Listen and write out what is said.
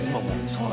「そう。